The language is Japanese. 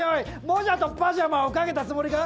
モジャとパジャマをかけたつもりか？